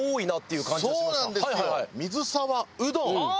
水沢うどんね。